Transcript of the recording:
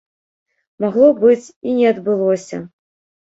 Магло быць і не адбылося.